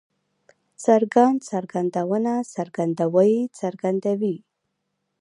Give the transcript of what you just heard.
څرګند، څرګندونه، څرګندوی، څرګندونې